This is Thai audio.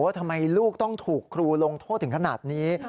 ทำไมลูกต้องถูกครูลงโทษถึงขนาดนี้